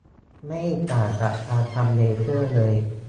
ไม่ต่างจากการทำเลเซอร์เลย